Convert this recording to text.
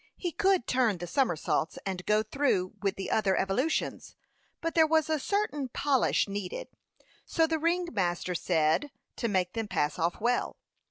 He could turn the somersets, and go through with the other evolutions; but there was a certain polish needed so the ring master said to make them pass off well.